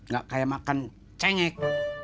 gak kayak makan cengek